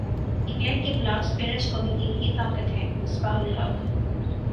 England کیخلاف spinners قومی team کی طاقت ہیں مصباح الحق